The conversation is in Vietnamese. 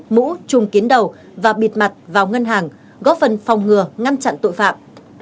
mũ chuồng kiến đầu và bịt mặt vào ngân hàng góp phần phòng ngừa ngăn chặn tội phạm